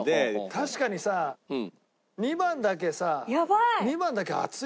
確かにさ２番だけさ。やばい！